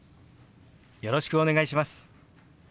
よろしくお願いします。